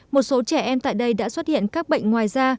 một số trẻ em tại đây đã xuất hiện các bệnh ngoài da